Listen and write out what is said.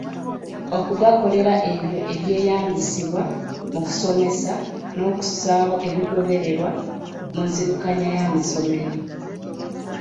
Okugakolera ebyo eby’eyambisibwa mu kusomesa n’okussaawo ebigobererwa mu nzirukanya y’amasomero.